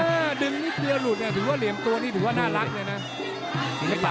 ถ้าดึงนิดเดียวหลุดเนี่ยถือว่าเหลี่ยมตัวนี่ถือว่าน่ารักเลยนะ